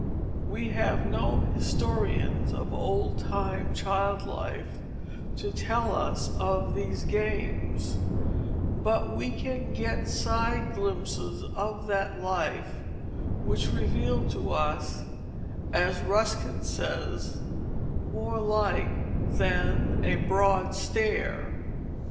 We have no historians of old time child life to tell us of these games, but we can get side glimpses of that life which reveal to us, as Ruskin says, more light than a broad stare.